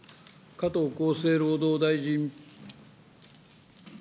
加藤厚生労働大臣。